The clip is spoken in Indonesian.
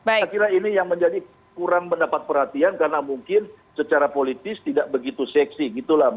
akhirnya ini yang menjadi kurang mendapat perhatian karena mungkin secara politis tidak begitu seksi